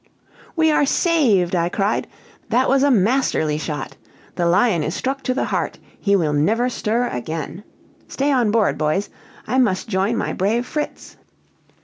"We are saved!" I cried; "that was a masterly shot. The lion is struck to the heart; he will never stir again. Stay on board, boys. I must join my brave Fritz."